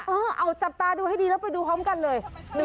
เออเอาจับตาดูให้ดีแล้วไปดูพร้อมกันเลย